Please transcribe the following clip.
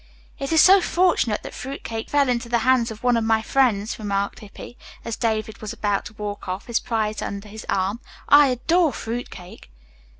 "It is so fortunate that that fruit cake fell into the hands of one of my friends," remarked Hippy, as David was about to walk off, his prize under his arm. "I adore fruit cake."